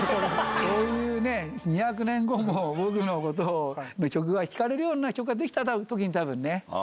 そういう２００年後も僕のこと、曲が聴かれるような曲が出来たときにたぶんね。